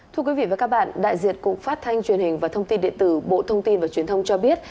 thưa quý vị và các bạn đại diện cục phát thanh truyền hình và thông tin điện tử bộ thông tin và truyền thông cho biết